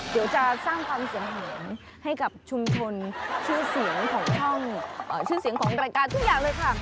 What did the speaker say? เดี๋ยวจะสร้างความเสียงเหนให้กับชุมชนชื่อเสียงของช่องชื่อเสียงของรายการทุกอย่างเลยค่ะ